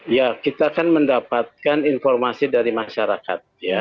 ya kita kan mendapatkan informasi dari masyarakat ya